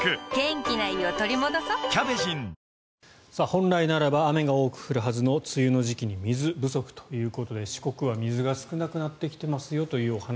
本来ならば雨が多く降るはずの梅雨の時期に水不足ということで四国は水が少なくなってきてますよというお話。